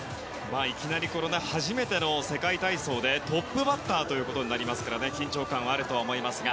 いきなり初めての世界体操でトップバッターとなりますから緊張感あるとは思いますが。